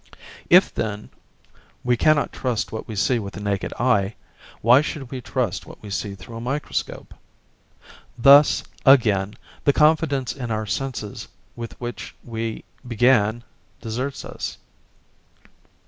If, then, we cannot trust what we see with the naked eye, why should we trust what we see through a microscope? Thus, again, the confidence in our senses with which we began deserts us.